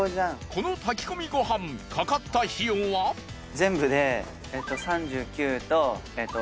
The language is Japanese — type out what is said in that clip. この炊き込みごはんかかった費用は？全部で。